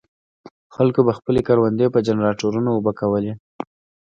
خلکو به خپلې کروندې په جنراټورونو اوبه کولې.